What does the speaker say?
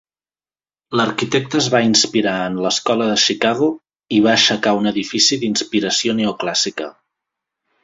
L'arquitecte es va inspirar en l'escola de Chicago i va aixecar un edifici d'inspiració neoclàssica.